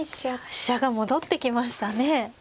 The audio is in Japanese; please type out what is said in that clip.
飛車が戻ってきましたね。